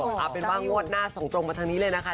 เอาเป็นว่างวดหน้าส่งตรงมาทางนี้เลยนะคะ